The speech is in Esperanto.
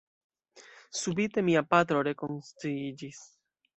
Subite mia patro rekonsciiĝis.